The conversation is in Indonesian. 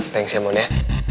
thanks emun ya